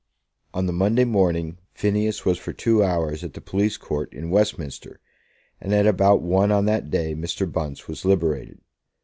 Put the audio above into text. On the Monday morning Phineas was for two hours at the police court in Westminster, and at about one on that day Mr. Bunce was liberated.